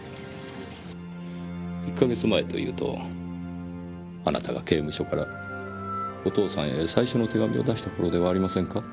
１か月前というとあなたが刑務所からお父さんへ最初の手紙を出した頃ではありませんか？